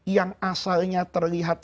yang asalnya terlihat